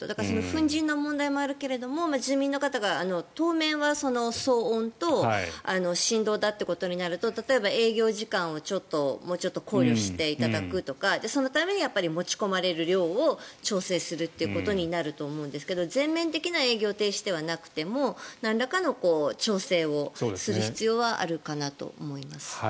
粉じんの問題もあるけれど住民の方は当面は騒音と振動だということになると例えば、営業時間をもうちょっと考慮していただくとかそのためには持ち込まれる量を調整するということになると思うんですけど全面的な営業停止ではなくてもなんらかの調整をする必要はあるかなと思います。